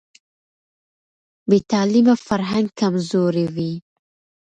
بې تعلیمه فرهنګ کمزوری وي.